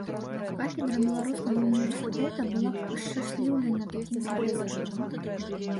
Кафедра беларускага ўніверсітэта была б ашчасліўлена такім прафесарам.